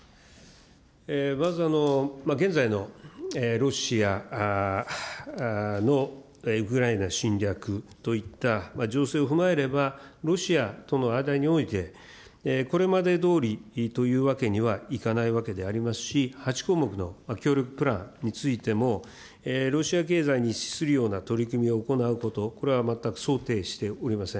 まず現在のロシアのウクライナ侵略といった情勢を踏まえれば、ロシアとの間において、これまでどおりというわけにはいかないわけでありますし、８項目の協力プランについても、ロシア経済に資するような取り組みを行うこと、これは全く想定しておりません。